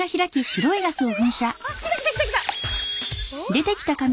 あっ来た来た来た来た。